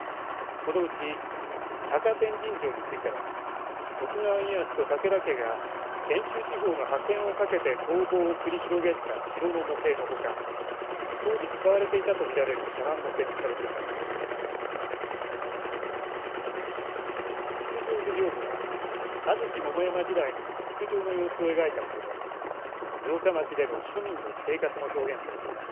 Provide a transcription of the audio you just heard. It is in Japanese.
このうち高天神城については徳川家康と武田家が遠州地方の覇権をかけて攻防を繰り広げた城の模型のほか当時使われていたと見られる茶わんも展示されています。